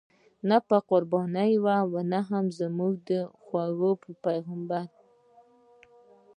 نه به قرباني وه او نه زموږ خوږ پیغمبر.